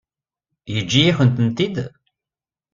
Yeǧǧa-yakent-tent-id?